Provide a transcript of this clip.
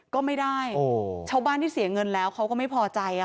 ก็ไม่ได้ชาวบ้านที่เสียเงินแล้วเขาก็ไม่พอใจ